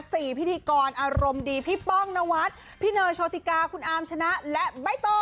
พิธีกรอารมณ์ดีพี่ป้องนวัดพี่เนยโชติกาคุณอามชนะและใบตอง